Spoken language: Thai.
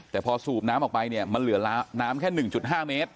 แต่พอสูบน้ำออกไปเนี่ยมันเหลือน้ำแค่๑๕เมตร